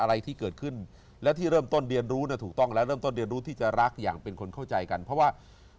เราต้องรู้ที่จะรักอย่างเป็นคนเข้าใจกันเพราะว่า